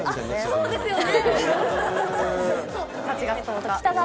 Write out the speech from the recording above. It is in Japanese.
そうですよね。